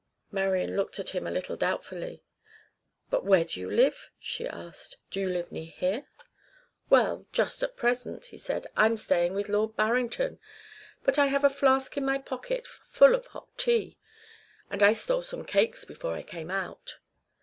Marian looked at him a little doubtfully. "But where do you live?" she asked. "Do you live near here?" "Well, just at present," he said, "I'm staying with Lord Barrington. But I have a flask in my pocket full of hot tea, and I stole some cakes before I came out."